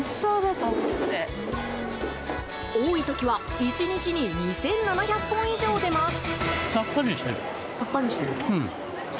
多い時は１日に２７００本以上出ます。